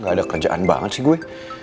gak ada kerjaan banget sih gue